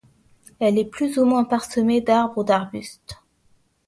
Elle est plus ou moins parsemée d'arbres ou d'arbustes.